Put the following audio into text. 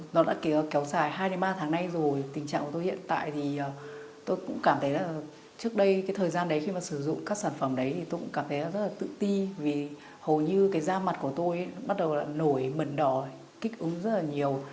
nó đã kéo dài hai ba tháng nay rồi tình trạng của tôi hiện tại thì tôi cũng cảm thấy là trước đây cái thời gian đấy khi mà sử dụng các sản phẩm đấy thì tôi cũng cảm thấy rất là tự ti vì hầu như cái da mặt của tôi bắt đầu là nổi mẩn đỏ kích ứng rất là nhiều